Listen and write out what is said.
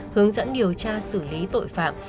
hướng dẫn điều tra xử lý tội phạm